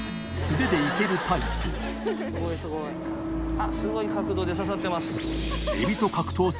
あっすごい角度で刺さってます。